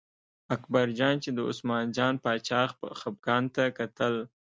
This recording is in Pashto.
اکبرجان چې د عثمان جان باچا خپګان ته کتل.